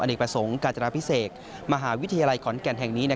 เนกประสงค์กาจนาพิเศษมหาวิทยาลัยขอนแก่นแห่งนี้